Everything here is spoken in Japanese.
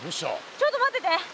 ちょっと待ってて。